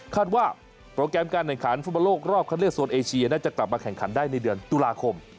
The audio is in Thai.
ว่าโปรแกรมการแข่งขันฟุตบอลโลกรอบคันเลือกโซนเอเชียน่าจะกลับมาแข่งขันได้ในเดือนตุลาคม